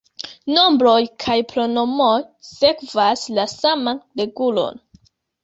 Nombroj kaj pronomoj sekvas la saman regulon.